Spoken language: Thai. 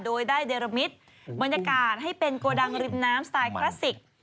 โดยได้เดรมิตบรรยากาศให้เป็นโกดังริมน้ำสไตล์คลาสสิก